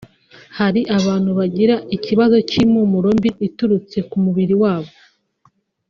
Hari abantu bagira ikibazo cy’impumuro mbi iturutse k’umubiri wabo